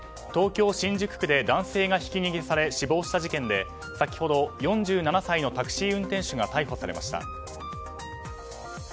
東京・新宿区で男性がひき逃げされ死亡した事件で先ほど４７歳のタクシー運転手が逮捕されました。